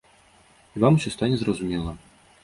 І вам усё стане зразумела.